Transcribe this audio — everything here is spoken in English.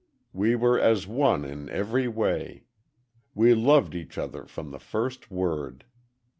We were as one in every way. We loved each other from the first word.